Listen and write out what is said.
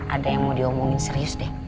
ada yang mau diomongin serius deh